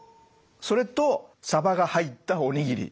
それとさばが入ったおにぎり。